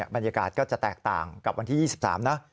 บรรยากาศก็จะแตกต่างกับวันที่๒๓นะ